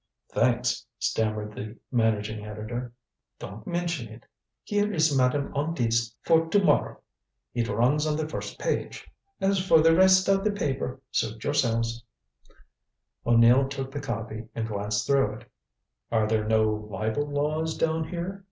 "Thanks," stammered the managing editor. "Don't mention it. Here is Madame On Dit's column for to morrow. It runs on the first page. As for the rest of the paper, suit yourselves." O'Neill took the copy, and glanced through it. "Are there no libel laws down here?"